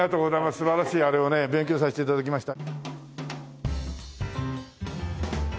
素晴らしいあれをね勉強させて頂きました。